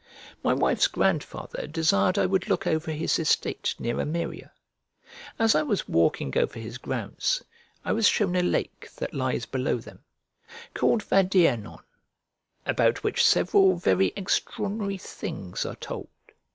My wife's grandfather desired I would look over his estate near Ameria. As I was walking over his grounds, 1 was shown a lake that lies below them, called Vadirnon, about which several very extraordinary things are told.